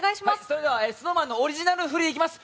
それではＳｎｏｗＭａｎのオリジナル振りいきます。